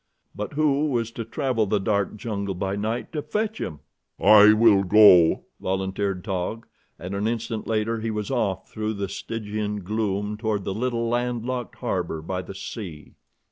But who was to travel the dark jungle by night to fetch him? "I will go," volunteered Taug, and an instant later he was off through the Stygian gloom toward the little land locked harbor by the sea.